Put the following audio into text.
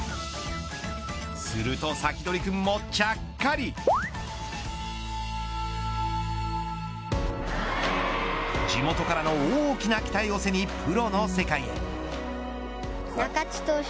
するとサキドリくんもちゃっかり地元からの大きな期待を背にプロの世界へ。